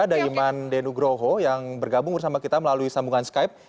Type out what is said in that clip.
ada iman denugroho yang bergabung bersama kita melalui sambungan skype